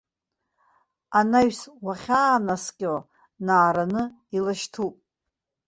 Анаҩс, уахьаанаскьо, наараны илашьҭуп.